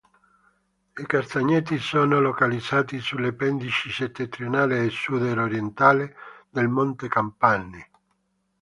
I castagneti sono localizzati sulle pendici settentrionali e sudorientali del Monte Capanne.